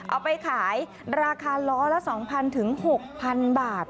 เอาไปขายราคาล้อละ๒๐๐ถึง๖๐๐๐บาท